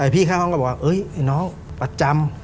พี่ข้างห้องก็บอกว่าไอ้น้องประจำ